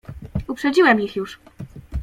"Uprzedziłem ich już."